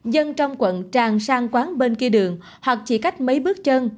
dân trong quận tràn sang quán bên kia đường hoặc chỉ cách mấy bước chân